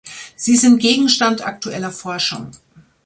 Sie sind Gegenstand aktueller Forschung.